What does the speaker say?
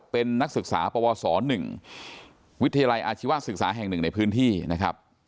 เป็นนักศึกษาปวส๑วิทยาลัยอาชีวศึกษาแห่ง๑ในพื้นที่นะครับ